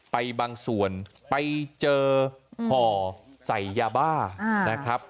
บางส่วนไปเจอห่อใส่ยาบ้านะครับ